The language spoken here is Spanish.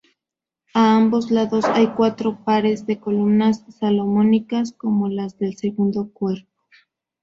A ambos lados hay cuatro pares de columnas salomónicas como las del segundo cuerpo.